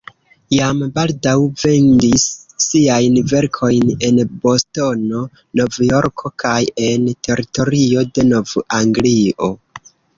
Jam baldaŭ vendis siajn verkojn en Bostono, Nov-Jorko kaj en teritorio de Nov-Anglio.